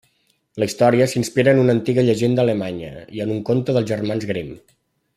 La història s'inspira en una antiga llegenda alemanya i en un conte dels Germans Grimm.